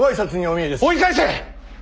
追い返せ！